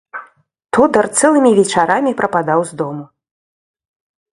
Тодар цэлымі вечарамі прападаў з дому.